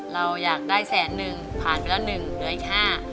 เราอยากได้แสนหนึ่งผ่านไปแล้วหนึ่งเหลืออีกห้า